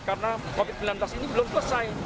karena covid sembilan belas ini belum selesai